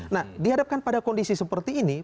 nah dihadapkan pada kondisi seperti ini